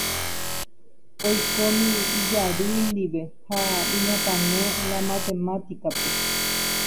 oikómi ijarýi ndive ha iñakãne la matemática-pe.